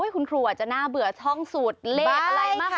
คุณครูอาจจะน่าเบื่อช่องสุดเลขอะไรมาก